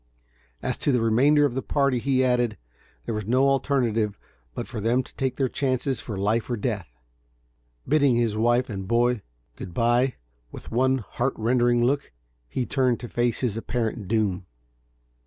As to the remainder of the party he added, there was no alternative but for them to take their chances for life or death." Bidding his wife and boy good bye, with one heart rending look, he turned to face his apparent doom.